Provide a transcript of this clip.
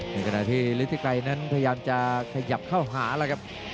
ในขณะที่ฤทธิไกรนั้นพยายามจะขยับเข้าหาแล้วครับ